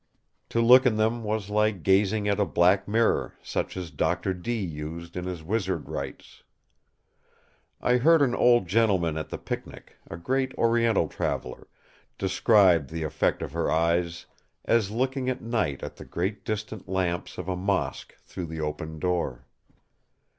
To look in them was like gazing at a black mirror such as Doctor Dee used in his wizard rites. I heard an old gentleman at the picnic, a great oriental traveller, describe the effect of her eyes "as looking at night at the great distant lamps of a mosque through the open door."